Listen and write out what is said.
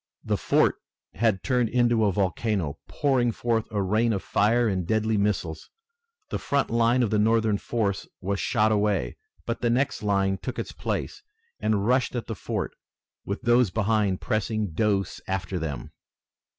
The fort had turned into a volcano, pouring forth a rain of fire and deadly missiles. The front line of the Northern force was shot away, but the next line took its place and rushed at the fort with those behind pressing close after them.